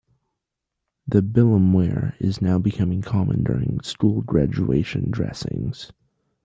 The bilumware is now becoming common during school graduation dressings.